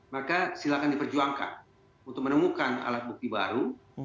maka silakan diperjuangkan untuk menemukan alat bukti baru